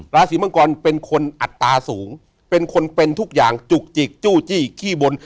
ราศีมังกรเป็นคนอัตราสูงเป็นคนเป็นทุกอย่างจุกจิกจู้จี้ขี้บน